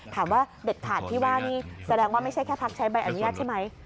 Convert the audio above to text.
เด็ดขาดที่ว่านี่แสดงว่าไม่ใช่แค่พักใช้ใบอนุญาตใช่ไหม